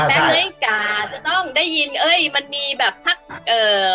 นาฬิกาจะต้องได้ยินเอ้ยมันมีแบบพักเอ่อ